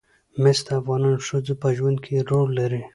مس د افغان ښځو په ژوند کې رول لري.